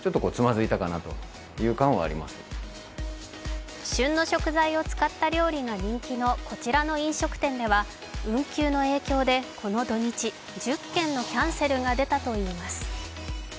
更に旬の食材を使った料理が人気のこちらの飲食店では、運休の影響でこの土日、１０件のキャンセルが出たといいます。